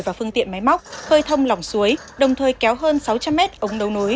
và phương tiện máy móc hơi thông lỏng suối đồng thời kéo hơn sáu trăm linh mét ống nấu nối